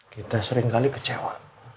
kita seringkali kecewa